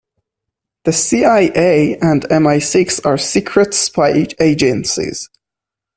The CIA and MI-Six are secret spy agencies.